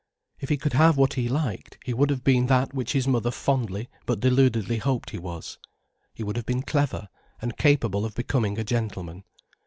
If he could have been what he liked, he would have been that which his mother fondly but deludedly hoped he was. He would have been clever, and capable of becoming a gentleman.